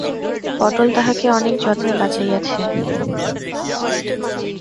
পটল তাহাকে অনেক যত্নে বাঁচাইয়াছে।